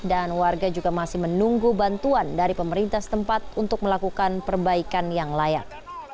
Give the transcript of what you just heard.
dan warga juga masih menunggu bantuan dari pemerintah setempat untuk melakukan perbaikan yang layak